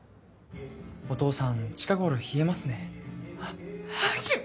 お父さん近頃冷えますねははくしょん！